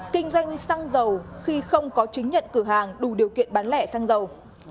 kinh doanh xăng dầu khi không có chứng nhận cửa hàng đủ điều kiện bán lẻ xăng dầu